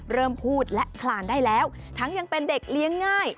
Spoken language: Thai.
เริ่มพูดและคลานได้แล้วทั้งยังเป็นเด็กเลี้ยงง่าย